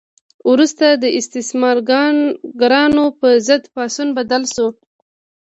وروسته د استثمارګرانو په ضد پاڅون بدل شو.